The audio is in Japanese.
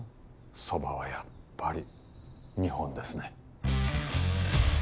蕎麦はやっぱり日本ですね